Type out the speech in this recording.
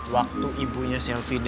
waktu ibunya syelfi dateng